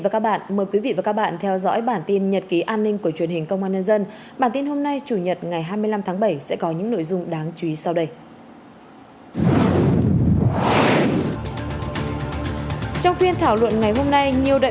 các bạn hãy đăng ký kênh để ủng hộ kênh của chúng mình nhé